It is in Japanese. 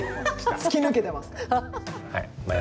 突き抜けてますから。